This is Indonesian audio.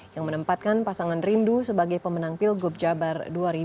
yang menempatkan pasangan rindu sebagai pemenang pilgub jabar dua ribu delapan belas